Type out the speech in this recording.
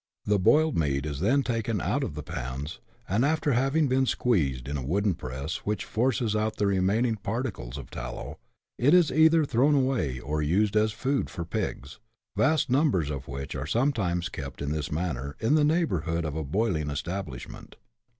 The boiled meat is then taken out of the pans, and, after having been squeezed in a wooden press, which forces out the remaining particles of tallow, it is either thrown away, or used as food for pigs, vast numbers of which are sometimes kept in this manner, in the neighbourhood of a boiling establishment.